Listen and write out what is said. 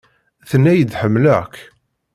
Tenna-yi-d ḥemmleɣ-k.